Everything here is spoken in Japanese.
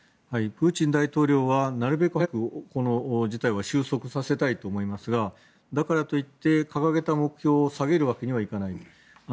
プーチン大統領はなるべく早くこの事態を収束させたいと思いますがだからといって掲げた目標を下げるわけにはいかない。